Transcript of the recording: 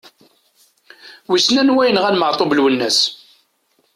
Wissen anwa yenɣan Maɛtub Lwennas?